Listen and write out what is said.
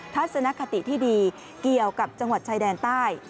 ทัศนคติที่ดีเกี่ยวกับจังหวัดชายแดนใต้